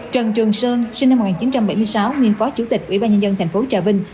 trần trường sơn sinh năm một nghìn chín trăm bảy mươi sáu nguyên phó chủ tịch ủy ban nhân dân thành phố trà vinh